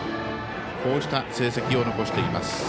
こうした成績を残しています。